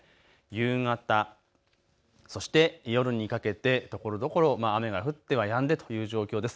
夕方、そして夜にかけてところどころ雨が降ってはやんでという状況です。